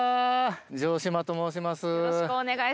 城島と申します。